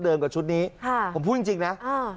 เป็นลุคใหม่ที่หลายคนไม่คุ้นเคย